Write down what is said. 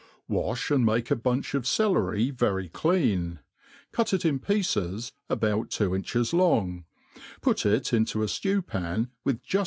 WASH and make a bunch of celery very dean, cut it in pieces, about two inches long, put it into a ftew*pan with juft